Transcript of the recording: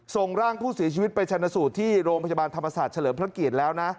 ส่งร่างผู้เสียชีวิตไปชนสูตรที่โรงพยาบาลธรรมศาสตร์เฉลิมพระเกียรติแล้วนะ